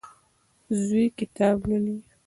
زوی کتاب لولي.